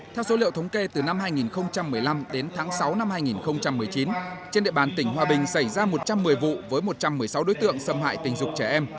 theo số liệu thống kê từ năm hai nghìn một mươi năm đến tháng sáu năm hai nghìn một mươi chín trên địa bàn tỉnh hòa bình xảy ra một trăm một mươi vụ với một trăm một mươi sáu đối tượng xâm hại tình dục trẻ em